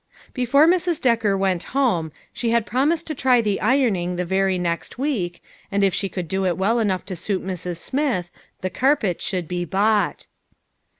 Before Mrs. Decker went home, she had prom ised to try the ironing the very next week, and if she could do it well enough to suit Mrs. Smith, the carpet should be bought.